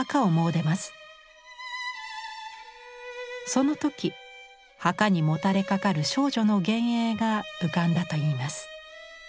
その時墓にもたれかかる少女の幻影が浮かんだと言います。